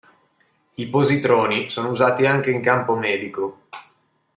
I positroni sono usati anche in campo medico.